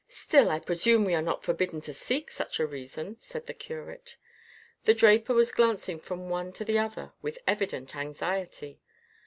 "Still I presume we are not forbidden to seek such a reason," said the curate. The draper was glancing from the one to the other with evident anxiety.